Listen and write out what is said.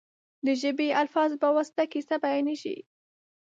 د ژبې یا الفاظو په واسطه کیسه بیانېږي.